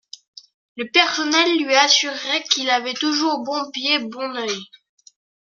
Le personnel lui assurait qu’il avait toujours bon pied bon œil.